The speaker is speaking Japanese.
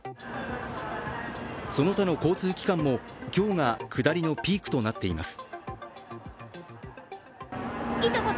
その他の交通機関も今日が下りのピークとなっています。